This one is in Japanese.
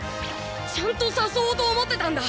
ちゃんと誘おうと思ってたんだ。